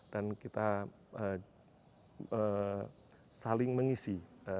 dan kita saling mengisi